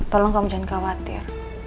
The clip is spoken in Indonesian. tolong kamu jangan khawatir